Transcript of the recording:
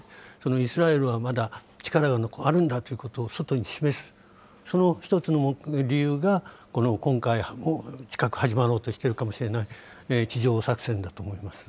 イスラエルはまだ力があるんだということを外に示す、その１つの理由が、この今回、近く始まろうとしているかもしれない地上作戦だと思います。